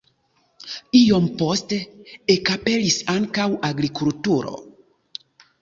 Iom poste ekaperis ankaŭ agrikulturo.